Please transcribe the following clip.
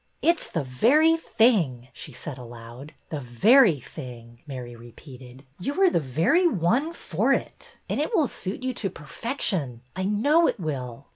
It 's the very thing !" she said aloud. The very thing," Mary repeated. '' You are the very one for it. And it will suit you to perfection. I know it will."